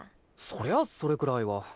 そりゃそれくらいは。